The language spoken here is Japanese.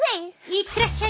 行ってらっしゃい！